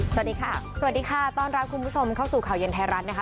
สวัสดีค่ะสวัสดีค่ะต้อนรับคุณผู้ชมเข้าสู่ข่าวเย็นไทยรัฐนะคะ